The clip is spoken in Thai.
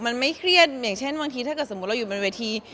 มันไม่เครียดเช่นเมื่อกี้ถ้าสมมุติเราอยู่บนบนเวที